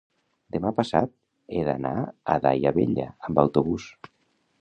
Demà passat he d'anar a Daia Vella amb autobús.